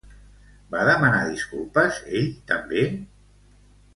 Va demanar disculpes ell també?